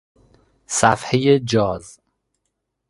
صفحهی جاز